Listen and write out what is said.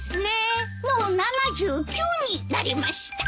もう７９になりました。